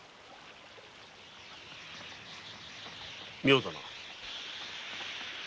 妙だな？